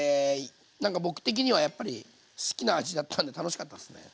なんか僕的にはやっぱり好きな味だったんで楽しかったですね。